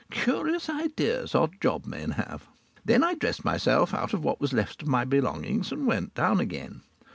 Curious ideas odd job men have! Then I dressed myself out of what was left of my belongings and went down again.